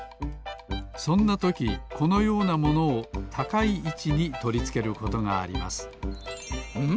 そんなときこのようなものをたかいいちにとりつけることがありますん？